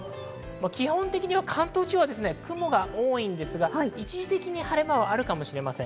基本的には関東地方は雲が多いですが、一時的には晴れ間があるかもしれません。